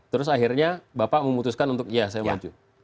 terus akhirnya bapak memutuskan untuk iya saya maju